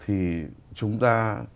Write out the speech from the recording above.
thì chúng ta